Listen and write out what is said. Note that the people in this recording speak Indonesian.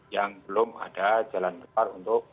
yang belum ada jalan keluar untuk